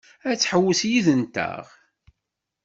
Ad tḥewwes yid-nteɣ?